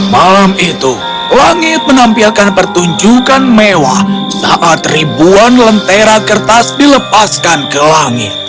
malam itu langit menampilkan pertunjukan mewah saat ribuan lentera kertas dilepaskan ke langit